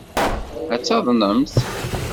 Ad taḍnemt.